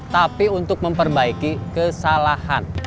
tapi untuk memperbaiki kesalahan